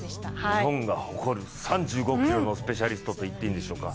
日本が誇る３５ｋｍのスペシャリストと言っていいんでしょうか。